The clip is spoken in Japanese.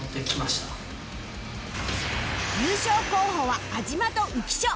優勝候補は安嶋と浮所